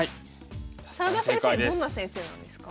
澤田先生どんな先生なんですか？